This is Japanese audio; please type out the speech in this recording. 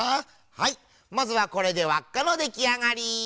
はいまずはこれでわっかのできあがり。